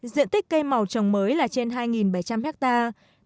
diện tích cây màu trồng mới là trên hai bảy trăm linh hectare